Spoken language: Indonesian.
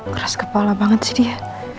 keras kepala banget sih dia